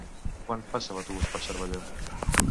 Quan passa l'autobús per Cervelló?